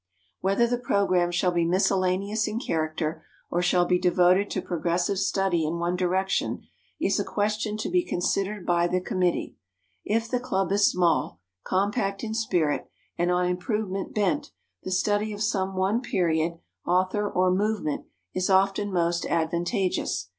Whether the program shall be miscellaneous in character, or shall be devoted to progressive study in one direction, is a question to be considered by the committee. If the club is small, compact in spirit, and on improvement bent, the study of some one period, author or movement is often most advantageous.